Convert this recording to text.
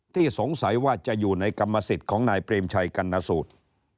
สงสัยว่าจะอยู่ในกรรมสิทธิ์ของนายเปรมชัยกรรณสูตร